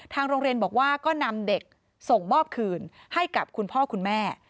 โรงเรียนบอกว่าก็นำเด็กส่งมอบคืนให้กับคุณพ่อคุณแม่